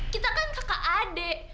kita kan kakak adik